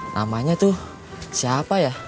namanya tuh siapa ya